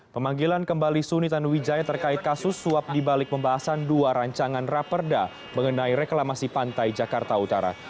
pemanggilan kembali suni tanuwijaya terkait kasus suap dibalik pembahasan dua rancangan raperda mengenai reklamasi pantai jakarta utara